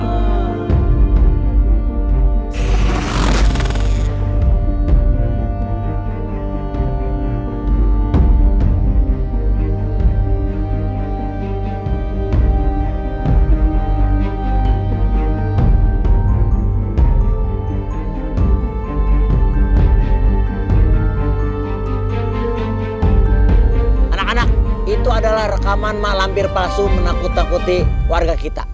hai anak anak itu adalah rekaman malam bir palsu menakut takuti warga kita